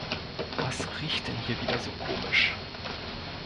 Was riecht denn hier wieder so komisch?